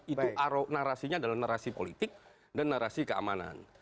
itu narasinya adalah narasi politik dan narasi keamanan